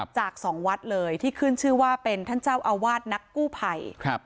จากสองวัดเลยที่ขึ้นชื่อว่าเป็นท่านเจ้าอาวาสนักกู้ภัย